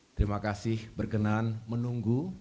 terima kasih berkenan menunggu